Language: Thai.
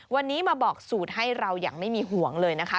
วันนี้มาบอกสูตรให้เราอย่างไม่มีห่วงเลยนะคะ